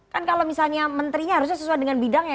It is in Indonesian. kan kalau misalnya menterinya harusnya sesuai dengan bidangnya